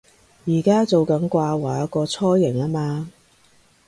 而家做緊掛畫個雛形吖嘛